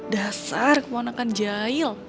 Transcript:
dasar kepanakan jahil